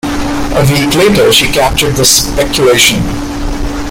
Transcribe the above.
A week later she captured the "Speculation".